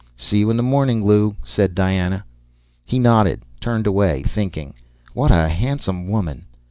"See you in the morning. Lew," said Diana. He nodded, turned away, thinking: _What a handsome woman!